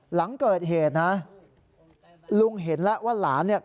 หลังเกิดเหตุนะลุงเห็นแล้วว่าหลานเนี่ย